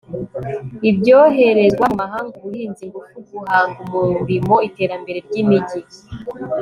ibyoherezwa mu mahanga ubuhinzi ingufu guhanga umurimo iterambere ry imijyi